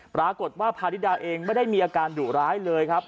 ปรากฏว่าพาริดาเองไม่ได้มีอาการดุร้ายเลยครับ